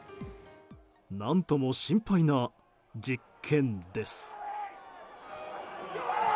何とも心配な実験です。